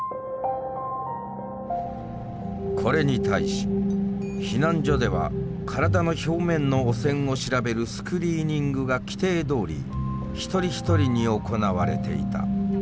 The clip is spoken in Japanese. これに対し避難所では体の表面の汚染を調べるスクリーニングが規定どおり一人一人に行われていた。